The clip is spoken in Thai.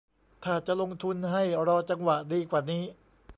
ถ้าจะลงทุนให้รอจังหวะดีกว่านี้